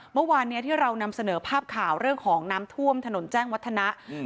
เมื่อวานเนี้ยที่เรานำเสนอภาพข่าวเรื่องของน้ำท่วมถนนแจ้งวัฒนะอืม